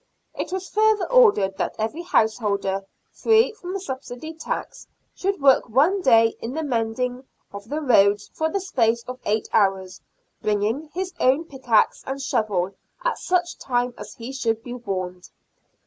It was further ordered that every householder free from the subsidy tax should work one day in the mending of the roads for the space of eight hours, bringing his own pickaxe and shovel at such time as he should be warned.